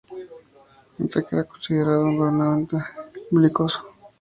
Enrique era considerado un gobernante belicoso.